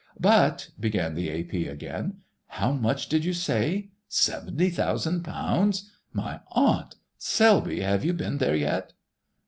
"But...." began the A.P. again, "How much did you say? Seventy thousand pounds! My Aunt! Selby, have you been there yet?"